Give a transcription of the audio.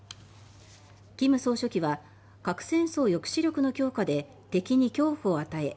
金総書記は核戦争抑止力の強化で敵に恐怖を与え